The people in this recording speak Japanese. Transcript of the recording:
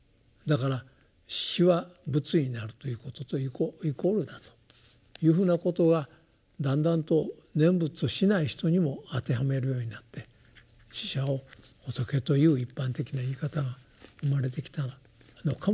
だから死は仏になるということとイコールだというふうなことがだんだんと念仏をしない人にも当てはめるようになって死者を仏という一般的な言い方が生まれてきたのかもしれませんね。